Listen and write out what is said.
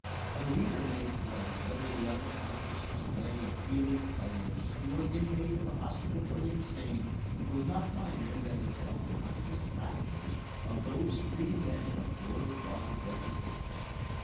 The reader may judge whether the unconscious display of feeling by the obscure inmate of a hospital for the insane was not finer than the self conscious raptures of these three men of world wide reputation.